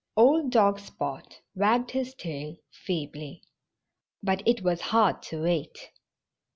Old dog Spot wagged his tail feebly. But it was hard to wait.